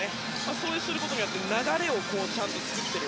そうすることによって流れを作っている。